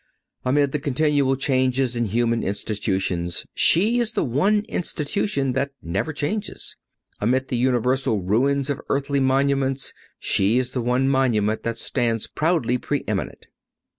Amid the continual changes in human institutions she is the one Institution that never changes. Amid the universal ruins of earthly monuments she is the one monument that stands proudly pre eminent.